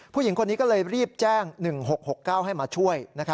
ผู้หญิงคนนี้ก็เลยรีบแจ้ง๑๖๖๙ให้มาช่วย